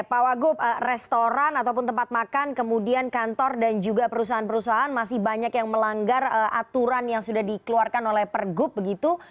pak wagub restoran ataupun tempat makan kemudian kantor dan juga perusahaan perusahaan masih banyak yang melanggar aturan yang sudah dikeluarkan oleh pergub begitu